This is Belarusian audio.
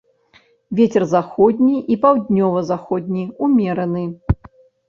Вецер заходні і паўднёва-заходні ўмераны.